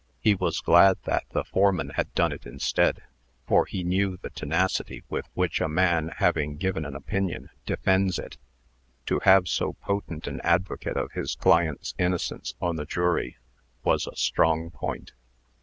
He was glad that the foreman had done it instead; for he knew the tenacity with which a man, having given an opinion, defends it. To have so potent an advocate of his client's innocence on the jury, was a strong point.